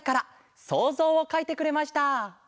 そうぞうをかいてくれました。